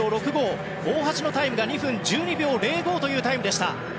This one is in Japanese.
大橋のタイムが２分１２秒０５というタイムでした。